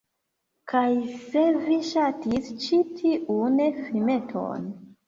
Kaj se vi ŝatis ĉi tiun filmeton